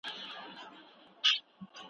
اوس گيله وكړي له غلو كه له قسمته